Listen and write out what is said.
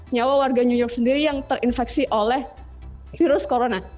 nyawa warga new york sendiri yang terinfeksi oleh virus corona